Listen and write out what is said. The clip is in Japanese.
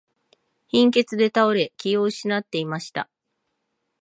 貧血で倒れ、気を失っていました。